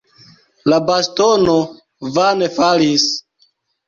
La bastono vane falis.